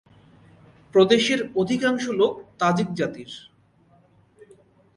প্রদেশের অধিকাংশ লোক তাজিক জাতির।